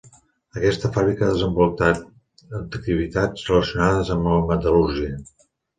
Aquesta fàbrica ha desenvolupat activitats relacionades amb la metal·lúrgia.